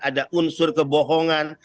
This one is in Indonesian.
ada unsur kebohongan